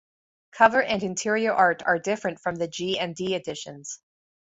Cover and interior art are different from the G and D editions.